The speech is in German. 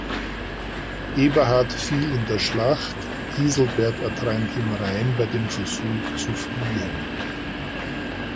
Eberhard fiel in der Schlacht, Giselbert ertrank im Rhein bei dem Versuch zu fliehen.